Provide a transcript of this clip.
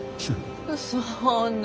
そんな。